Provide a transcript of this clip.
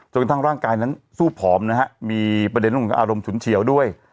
กระทั่งร่างกายนั้นสู้ผอมนะฮะมีประเด็นเรื่องของอารมณ์ฉุนเฉียวด้วย